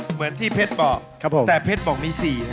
เหมือนที่เพชรบอกแต่เพชรบอกมี๔